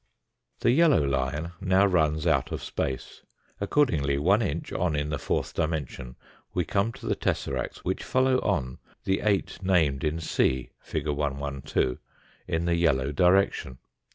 The yellow line now runs out of space ; accordingly one inch on in the fourth dimension we come to the tesseracts which follow on the eight named in C, fig. 112, in the yellow direction.